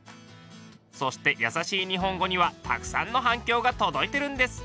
そして「やさしい日本語」にはたくさんの反響が届いてるんです。